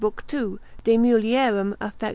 2. de mulierum affect.